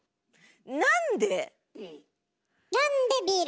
なんで？